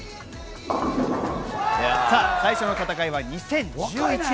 最初の戦いは２０１１年。